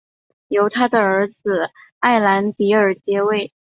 由他的儿子埃兰迪尔接位。